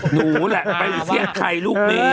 โหแหละไปเสียใครลูกเมย์